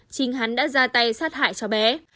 chính hắn đã ra tay sát hại cho bé